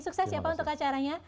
sukses ya pak untuk acaranya